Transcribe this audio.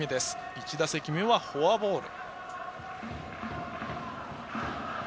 １打席目はフォアボール。